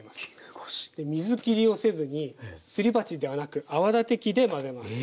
水きりをせずにすり鉢ではなく泡立て器で混ぜます。